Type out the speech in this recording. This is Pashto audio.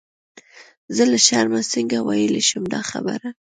زه له شرمه څنګه ویلای شم دا خبره.